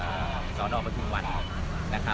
ไม่ใช่นี่คือบ้านของคนที่เคยดื่มอยู่หรือเปล่า